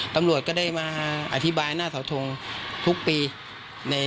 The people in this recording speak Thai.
ตำรวจก็ได้มาอธิบายหน้าเสาทงทุกปี